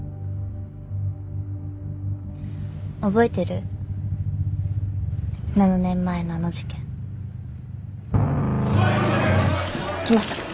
覚えてる？７年前のあの事件。来ました。